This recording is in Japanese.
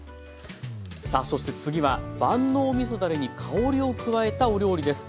さあそして次は万能みそだれに香りを加えたお料理です。